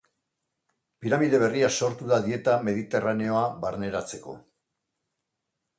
Piramide berria sortu da dieta mediterraneoa barneratzeko.